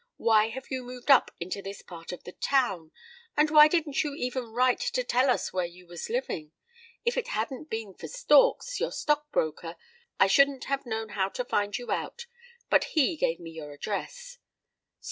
why have you moved up into this part of the town? and why didn't you even write to tell us where you was living? If it hadn't been for Storks, your stock broker, I shouldn't have known how to find you out; but he gave me your address."